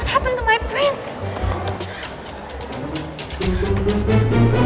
apa yang terjadi sama putri gue